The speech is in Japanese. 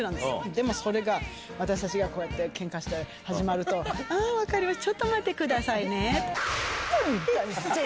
でもそれが私たちがケンカが始まると「あぁ分かりました」。